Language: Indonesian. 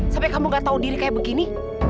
sampai kamu gak tahu diri kayak begini